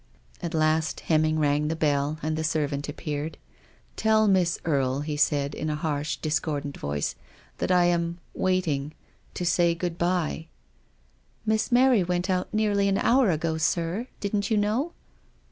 At last Hemming rang the bell, and Sarah appeared. " Tell Miss Erie," he said in a harsh, dis cordant voice, "that I am waiting — to say good bye." " Miss Mary went out nearly an hour ago, sir. Didn't you know